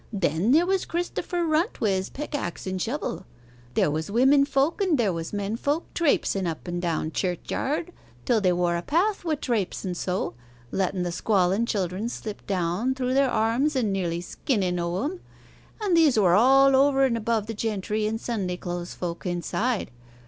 Then there was Christopher Runt wi' his pickaxe and shovel. There was wimmen folk and there was men folk traypsen up and down church'ard till they wore a path wi' traypsen so letten the squallen children slip down through their arms and nearly skinnen o' em. And these were all over and above the gentry and Sunday clothes folk inside.